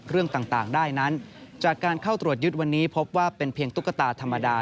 เรื่องต่างได้นั้นจากการเข้าตรวจยึดวันนี้พบว่าเป็นเพียงตุ๊กตาธรรมดา